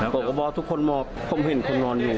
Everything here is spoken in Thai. ผมก็บอกทุกคนหมอบผมเห็นคนนอนอยู่